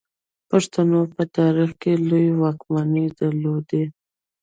پښتنو په تاریخ کې لویې واکمنۍ درلودې